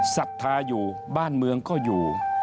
ศรัทธาอยู่บ้านเมืองก็อยู่